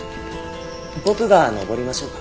僕が登りましょうか？